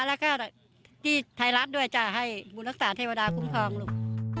แล้วก็ที่ไทยรัฐด้วยจ้ะให้บุญรักษาเทวดาคุ้มครองลูก